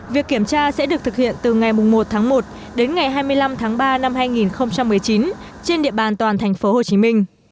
việc kiểm tra sẽ được thực hiện từ ngày một một đến ngày hai mươi năm ba hai nghìn một mươi chín trên địa bàn toàn tp hcm